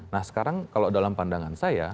nah sekarang kalau dalam pandangan saya